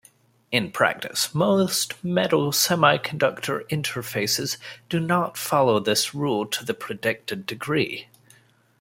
In practice, most metal-semiconductor interfaces do not follow this rule to the predicted degree.